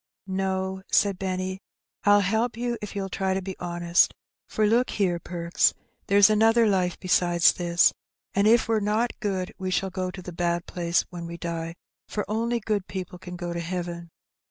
''No," said Benny. "1^1 help you if you'll try to be honest ; for look here. Perks : there's another life besides this, an' if we're not good we shall go to the bad place when we die, for only good people can go to heaven.